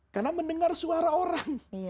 karena mendengar suara orang